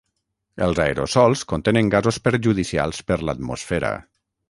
Els aerosols contenen gasos perjudicials per l'atmosfera.